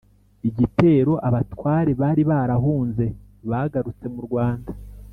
Igitero abatware bari barahunze bagarutse mu Rwanda